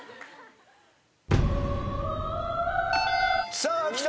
さあきた。